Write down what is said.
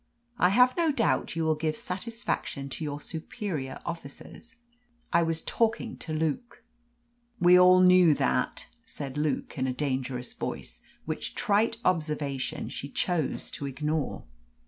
I have no doubt you will give satisfaction to your superior officers. I was talking to Luke." "We all knew that," said Luke, in a dangerous voice, which trite observation she chose to ignore.